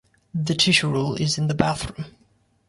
The tissue roll is in the bathroom.